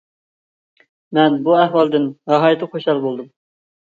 مەن بۇ ئەھۋالدىن ناھايىتى خۇشال بولدۇم.